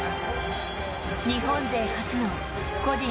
日本勢初の個人